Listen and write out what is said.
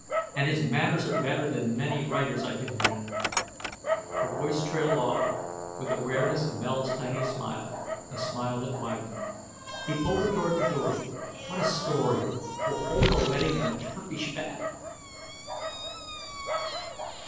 And his manners are better than many writers' I could name ..." Her voice trailed off with awareness of Mel's tiny smile a smile that widened. He pulled her toward the door. "What a story! We'll hold the wedding in a Turkish Bath."